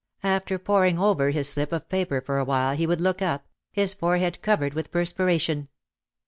After poring over his slip of paper for a while he would look up, his forehead covered with per spiration.